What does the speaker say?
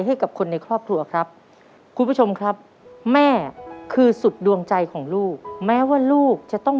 ให้กับคนในครอบครัวครับคุณผู้ชมครับแม่คือสุดดวงใจของลูกแม้ว่าลูกจะต้อง